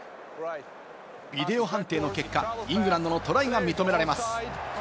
ビデオ判定の結果、イングランドのトライが認められます。